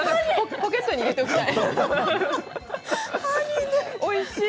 ポケットに入れておきたい。